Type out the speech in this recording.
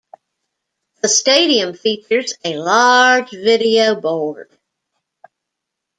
The stadium features a large video board.